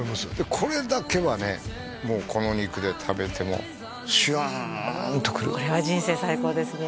これだけはねもうこの肉で食べてもシューンとくるこれは人生最高ですね